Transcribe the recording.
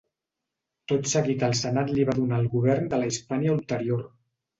Tot seguit el senat li va donar el govern de la Hispània Ulterior.